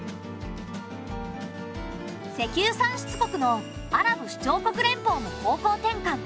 石油産出国のアラブ首長国連邦も方向転換。